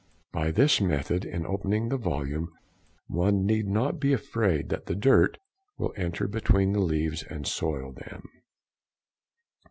By this method in opening the volume one need not be afraid that the dirt will enter between the leaves and soil them.